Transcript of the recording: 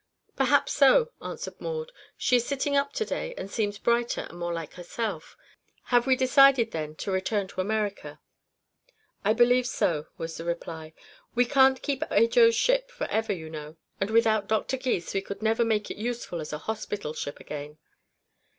"Perhaps so," answered Maud. "She is sitting up to day, and seems brighter and more like herself. Have we decided, then, to return to America?" "I believe so," was the reply. "We can't keep Ajo's ship forever, you know, and without Doctor Gys we could never make it useful as a hospital ship again."